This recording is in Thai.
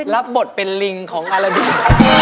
รับบทเป็นลิงของอลลาดิน